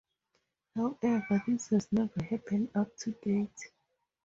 However, this has never happened up to date.